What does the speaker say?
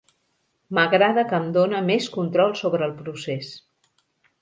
M'agrada que em dona més control sobre el procés.